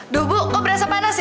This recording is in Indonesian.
dulu bu kok berasa panas ya